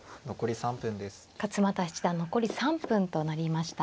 勝又七段残り３分となりました。